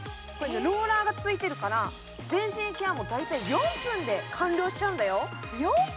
これね、ローラーがついてから全身ケアも大体４分で完了しちゃうんだよ。